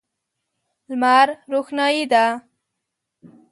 لمر روښنايي ده.